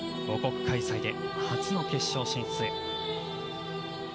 母国開催で初の決勝進出へ。